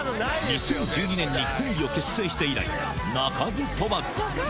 ２０１２年にコンビを結成して以来、鳴かず飛ばず。